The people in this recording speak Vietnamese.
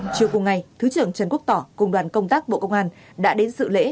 chiều cùng ngày thứ trưởng trần quốc tỏ cùng đoàn công tác bộ công an đã đến sự lễ